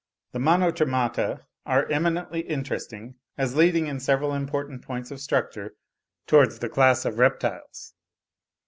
The Monotremata are eminently interesting, as leading in several important points of structure towards the class of reptiles.